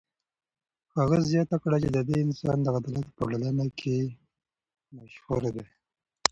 هغه زیاته کړه چې د دې انسان عدالت په ټوله نړۍ کې مشهور دی.